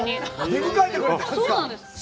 出迎えてくれたんですね。